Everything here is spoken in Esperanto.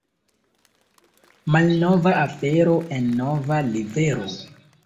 Malnova afero en nova livero.